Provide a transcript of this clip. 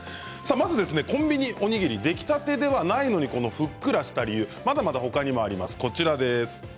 まずコンビニおにぎり出来たてではないのにふっくらした理由まだまだ他にもあります。